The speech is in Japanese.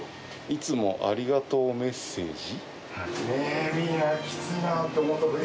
いつもありがとうメッセージ？